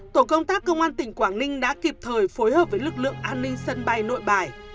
tổ công tác công an tỉnh quảng ninh đã kịp thời phối hợp với lực lượng an ninh sân bay nội bài